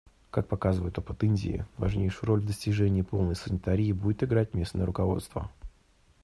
Как показывает опыт Индии, важнейшую роль в достижении полной санитарии будет играть местное руководство.